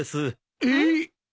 えっ。